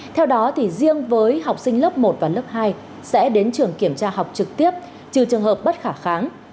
theo đó thì riêng với học sinh lớp một và lớp hai sẽ đến trường kiểm tra học trực tiếp trừ trường hợp bất khả kháng